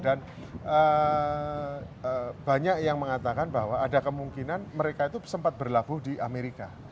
dan banyak yang mengatakan bahwa ada kemungkinan mereka itu sempat berlabuh di amerika